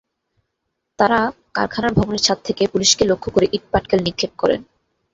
তাঁরা কারখানার ভবনের ছাদ থেকে পুলিশকে লক্ষ্য করে ইটপাটকেল নিক্ষেপ করেন।